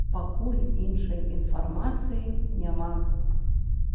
Пакуль іншай інфармацыі няма.